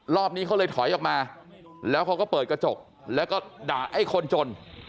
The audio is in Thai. รอบนี้เขาเลยถอยออกมาแล้วเขาก็เปิดกระจกแล้วก็ด่าไอ้คนจน